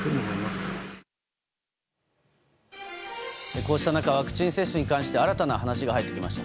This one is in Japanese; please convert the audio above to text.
こうした中ワクチン接種に関して新たな話が入ってきました。